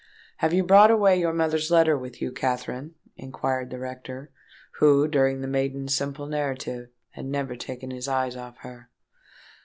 "Have you brought away your mother's letter with you, Katherine?" inquired the rector, who during the maiden's simple narrative, had never taken his eyes off her.